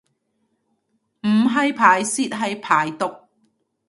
唔係排泄係排毒